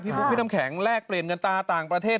บุ๊คพี่น้ำแข็งแลกเปลี่ยนเงินตาต่างประเทศ